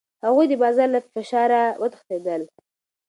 هغوی د بازار له فشاره وتښتېدل.